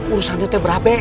urusan dia berapa